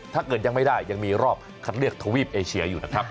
ถ้าเกิดยังไม่ได้ยังมีรอบคัดเลือกทวีปเอเชียอยู่นะครับ